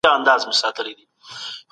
ایا تاسو د غفور لیوال خبري واورېدې؟